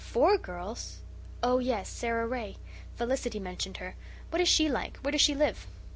"FOUR girls? Oh, yes, Sara Ray. Felicity mentioned her. What is she like? Where does she live?"